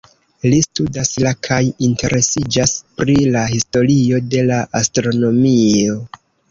Li studas la kaj interesiĝas pri la historio de la astronomio.